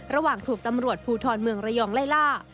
ระหว่างถูกตำรวจภูทรเมืองระยองไล่ล่า